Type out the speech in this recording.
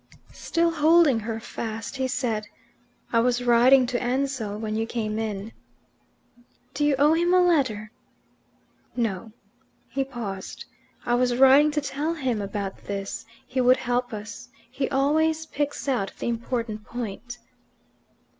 Still holding her fast, he said, "I was writing to Ansell when you came in." "Do you owe him a letter?" "No." He paused. "I was writing to tell him about this. He would help us. He always picks out the important point."